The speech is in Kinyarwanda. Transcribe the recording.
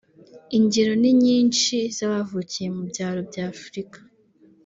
Ingero ni nyinshi z’abavukiye mu byaro bya Afurika